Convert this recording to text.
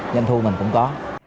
nhanh thu mình cũng có